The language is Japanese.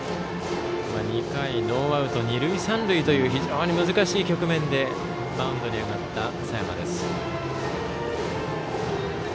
２回、ノーアウト二塁三塁という非常に難しい局面でマウンドに上がった佐山です。